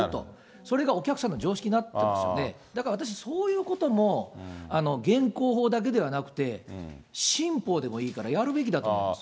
それがお客さんの常識になってますので、だから私、そういうことも現行法だけではなくて、新法でもいいからやるべきだと思います。